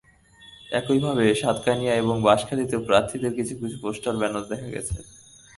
একইভাবে সাতকানিয়া এবং বাঁশখালীতেও প্রার্থীদের কিছু কিছু পোস্টার ব্যানার দেখা গেছে।